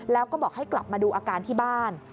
แล้วก็บอกให้กลับมาดูอาการที่บ้าน